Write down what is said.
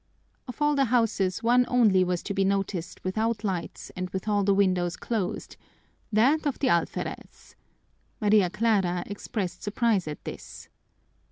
Of all the houses one only was to be noticed without lights and with all the windows closed that of the alferez. Maria Clara expressed surprise at this.